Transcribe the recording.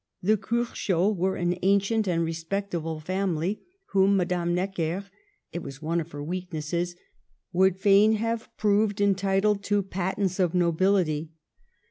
The Curchods were an ancient and respectable family whom Madame Necker (it was one of her weaknesses) would fain have proved entitled to patents of nobility.